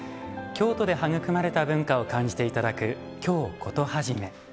京都で育まれた文化を感じて頂く「京コトはじめ」。